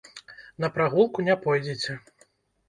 На прагулку не пойдзеце!